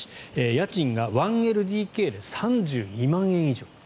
家賃が１ＬＤＫで３２万円以上。